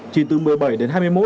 chỉ từ một mươi bảy đến hai mươi một